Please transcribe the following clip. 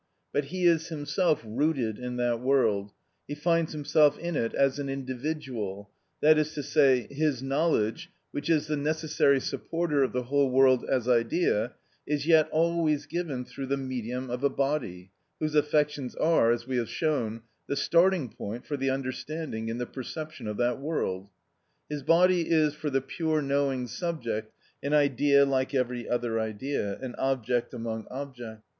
But he is himself rooted in that world; he finds himself in it as an individual, that is to say, his knowledge, which is the necessary supporter of the whole world as idea, is yet always given through the medium of a body, whose affections are, as we have shown, the starting point for the understanding in the perception of that world. His body is, for the pure knowing subject, an idea like every other idea, an object among objects.